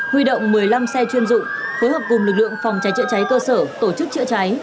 huy động một mươi năm xe chuyên dụng phối hợp cùng lực lượng phòng cháy chữa cháy cơ sở tổ chức chữa cháy